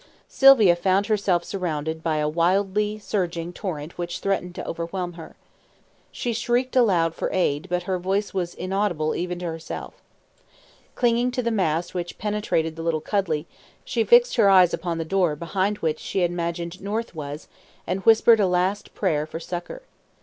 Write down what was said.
Sylvia found herself surrounded by a wildly surging torrent which threatened to overwhelm her. She shrieked aloud for aid, but her voice was inaudible even to herself. Clinging to the mast which penetrated the little cuddy, she fixed her eyes upon the door behind which she imagined North was, and whispered a last prayer for succour.